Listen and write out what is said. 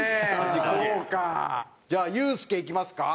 じゃあユースケいきますか。